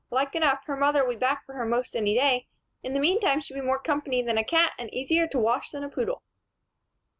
Like enough, her mother'll be back after her most any day. In the meantime, she'd be more company than a cat and easier to wash than a poodle."